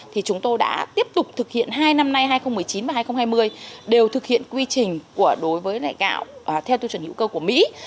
thì chúng tôi đã tiếp tục thực hiện hai năm nay hai nghìn một mươi chín và hai nghìn hai mươi đều thực hiện quy trình đối với gạo theo tiêu chuẩn hữu cơ của mỹ